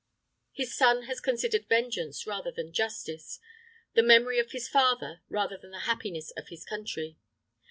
His son has considered vengeance rather than justice, the memory of his father, rather than the happiness of his country.